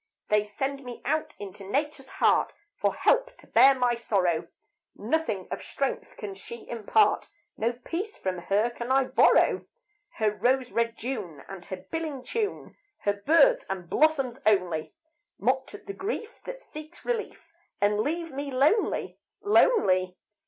They send me out into Nature's heart For help to bear my sorrow, Nothing of strength can she impart, No peace from her can I borrow. Her rose red June and her billing tune, Her birds and blossoms only, Mocked at the grief that seeks relief, And leave me lonely lonely.